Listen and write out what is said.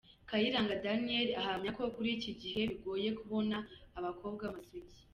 Kayiranga Daniel ahamya ko kuri iki gihe bigoye kubona abakobwa b’amasugi.